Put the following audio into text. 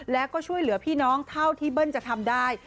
แล้วก็ช่วยเหลือพี่น้องเท่าที่เบิ้ลจะทำได้